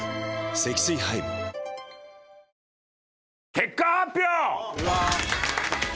結果発表！